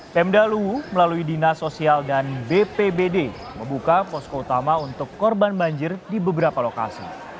pemdalu melalui dinas sosial dan bpbd membuka posko utama untuk korban banjir di beberapa lokasi